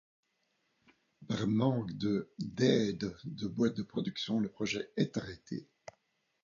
Par manque de d'aide de boites de production, le projet est arrêté.